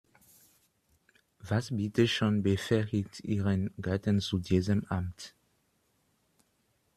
Was bitte schön befähigt ihren Gatten zu diesem Amt?